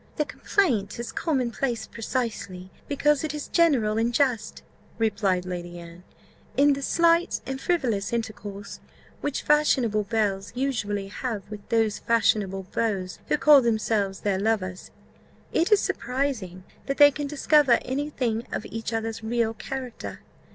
"The complaint is common place precisely because it is general and just," replied Lady Anne. "In the slight and frivolous intercourse, which fashionable belles usually have with those fashionable beaux who call themselves their lovers, it is surprising that they can discover any thing of each other's real character.